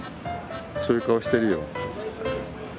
そういう顔してるよ。